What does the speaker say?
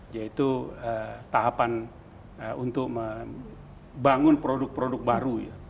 yaitu tahapan untuk membangun produk produk baru